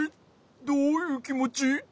どういうきもち？